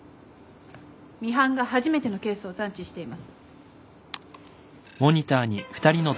ミハンが初めてのケースを探知しています。